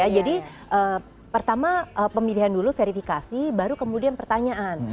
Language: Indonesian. pertama pemilihan dulu verifikasi baru kemudian pertanyaan